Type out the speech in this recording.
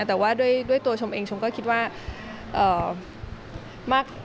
แต่ว่าด้วยตัวชมเองฉันก็คิดว่า